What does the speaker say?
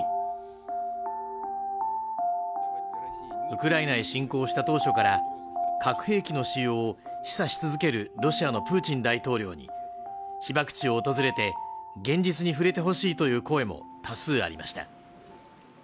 ウクライナに侵攻した当初から核兵器の使用を示唆し続けるロシアのプーチン大統領に被爆地を訪れて現実に触れてほしいという声も多数ありました